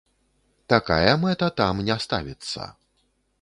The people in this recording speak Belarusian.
Такая мэта там не ставіцца.